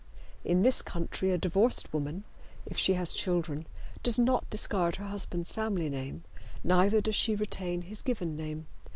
In this country a divorced woman, if she has children, does not discard her husband's family name, neither does she retain his given name.